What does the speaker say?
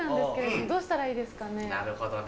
なるほどね。